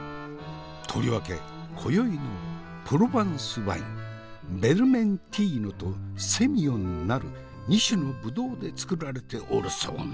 とりわけ今宵のプロヴァンスワインヴェルメンティーノとセミヨンなる２種のブドウで造られておるそうな。